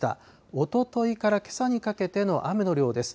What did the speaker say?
おとといからけさにかけての雨の量です。